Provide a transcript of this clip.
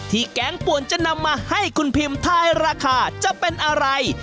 แก๊งป่วนจะนำมาให้คุณพิมทายราคาจะเป็นอะไร